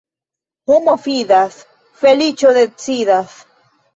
Homo fidas, feliĉo decidas.